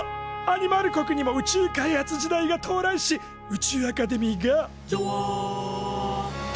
アニマル国にも宇宙開発時代が到来し宇宙アカデミーが「じょわ」と誕生。